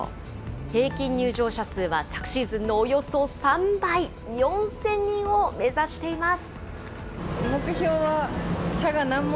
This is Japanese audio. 平均入場者数は昨シーズンのおよそ３倍、４０００人を目指しています。